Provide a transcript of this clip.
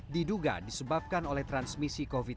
diduga disebabkan oleh transmisi covid sembilan belas